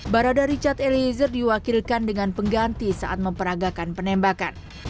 barada richard eliezer diwakilkan dengan pengganti saat memperagakan penembakan